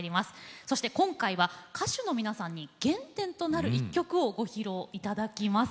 そして今回は歌手の皆さんに原点となる一曲をご披露頂きます。